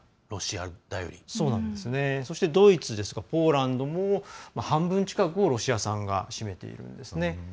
そしてドイツですとかポーランドも半分近くをロシア産が占めているんですね。